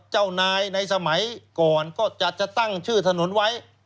เจ้านายในสมัยก่อนก็จะตั้งชื่อถนนไว้